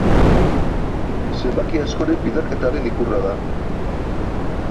Zenbaki askoren biderketaren ikurra da.